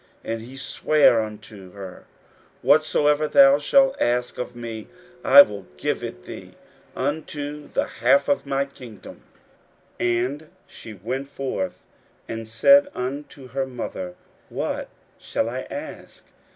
41:006:023 And he sware unto her, Whatsoever thou shalt ask of me, I will give it thee, unto the half of my kingdom. 41:006:024 And she went forth, and said unto her mother, What shall I ask?